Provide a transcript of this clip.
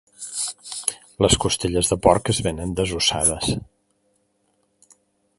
Les costelles de porc es venen desossades.